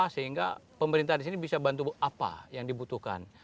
sehingga pemerintah di sini bisa bantu apa yang dibutuhkan